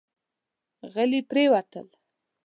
غلي پرېوتل.